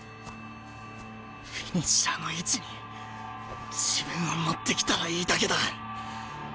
フィニッシャーの位置に自分を持ってきたらいいだけだ！